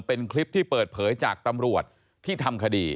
เป็นคลิปที่เปิดเผยจากตำรวจที่ทำคดี